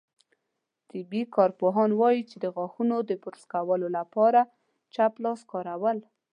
طبي کارپوهان وايي، چې د غاښونو د برس کولو لپاره چپ لاس کارول